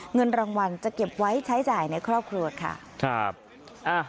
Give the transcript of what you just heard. เงินรางวัลจะเก็บไว้ใช้จ่ายในครอบครัวค่ะ